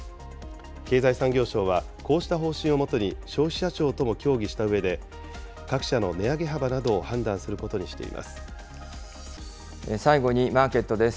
経済産業省は、こうした方針をもとに、消費者庁とも協議したうえで、各社の値上げ幅などを判断す最後にマーケットです。